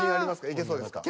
いけそうですか？